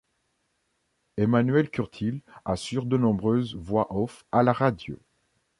Emmanuel Curtil assure de nombreuses voix off à la radio.